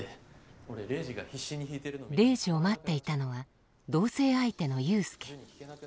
レイジを待っていたのは同棲相手の裕介。